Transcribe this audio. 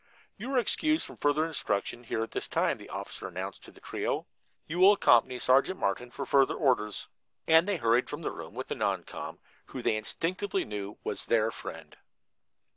"You are excused from further instruction here at this time," the officer announced to the trio. "You will accompany Sergeant Martin for further orders." And they hurried from the room with the non com., who they instinctively knew was their friend.